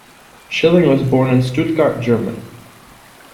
Schilling was born in Stuttgart, Germany.